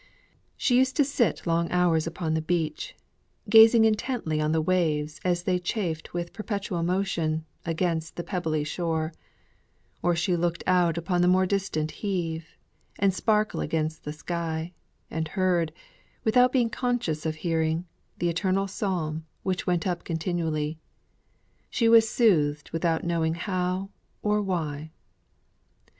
She used to sit long hours upon the beach, gazing intently on the waves as they chafed with perpetual motion against the pebbly shore, or she looked out upon the more distant heave, and sparkle against the sky, and heard, without being conscious of hearing, the eternal psalm, which went up continually. She was soothed without knowing how or why.